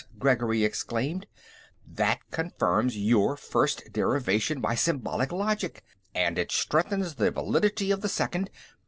Gregory exclaimed. "That confirms your first derivation by symbolic logic, and it strengthens the validity of the second...."